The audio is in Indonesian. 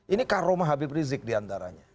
ini karomah habib rizik diantaranya